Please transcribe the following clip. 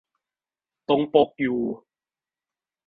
ตรงปกอยู่